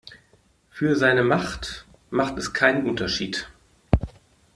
Für seine Macht macht es keinen Unterschied.